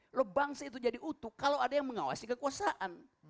kalau bangsa itu jadi utuh kalau ada yang mengawasi kekuasaan